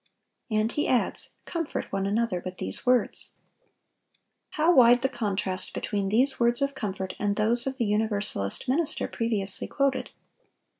And he adds, "Comfort one another with these words."(971) How wide the contrast between these words of comfort and those of the Universalist minister previously quoted.